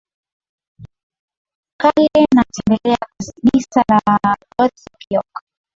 Kale na tembelea Kanisa la Gothic York